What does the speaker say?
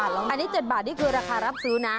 อันนี้๗บาทนี่คือราคารับซื้อนะ